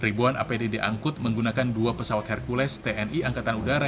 ribuan apd diangkut menggunakan dua pesawat hercules tni angkatan udara